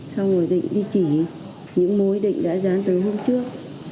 xong rồi định ghi chỉ những mối định đã dán tới hôm trước